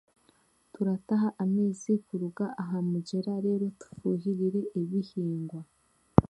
Turataha amaizi kuruga aha mugyera reero tufuhirire ebihingwa